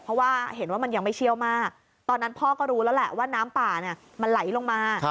เพราะว่าเห็นว่ามันยังไม่เชี่ยวมากตอนนั้นพ่อก็รู้แล้วแหละว่าน้ำป่ามันไหลลงมา